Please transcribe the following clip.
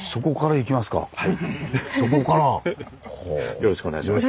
よろしくお願いします。